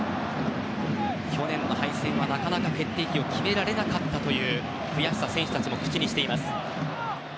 去年の敗戦はなかなか決定機を決められなかったという悔しさを選手たちも口にしています。